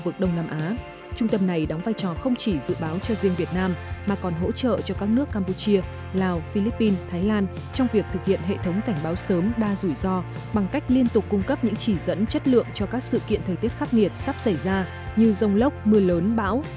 trung tâm này đóng vai trò không chỉ dự báo cho riêng việt nam mà còn hỗ trợ cho các nước campuchia lào philippines thái lan trong việc thực hiện hệ thống cảnh báo sớm đa rủi ro bằng cách liên tục cung cấp những chỉ dẫn chất lượng cho các sự kiện thời tiết khắc nghiệt sắp xảy ra như rông lốc mưa lớn bão